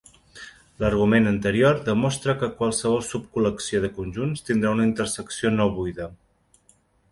L'argument anterior demostra que qualsevol subcol·lecció de conjunts tindrà una intersecció no buida.